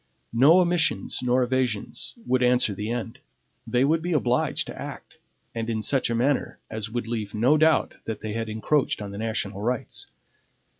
No omissions nor evasions would answer the end. They would be obliged to act, and in such a manner as would leave no doubt that they had encroached on the national rights.